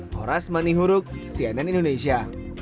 horas manihuruk cnn indonesia